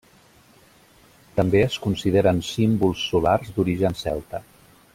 També es consideren símbols solars d'origen celta.